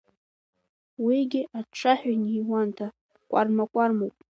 Уигьы аҽҽаҳәа инеиуанда, кәарма-кәармоуп.